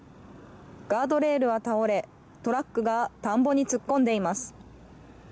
ガードレールは倒れ、トラックが田んぼに突っ込んでいます。